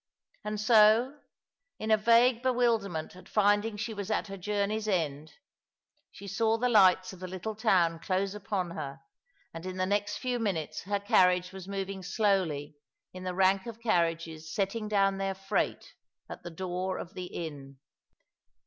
And so — in a vague bewilderment at finding she was at her journey's end — she saw the lights of the little town close upon her, and in the next few minutes her carriage was moving slowly in the rank of carriages setting down their freight at the door of the inn.